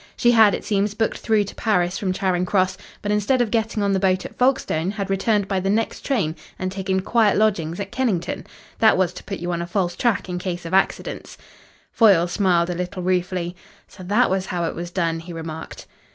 She had, it seems, booked through to Paris from Charing Cross, but instead of getting on the boat at Folkestone had returned by the next train and taken quiet lodgings at Kennington. That was to put you on a false track in case of accidents." Foyle smiled a little ruefully. "So that was how it was done," he remarked.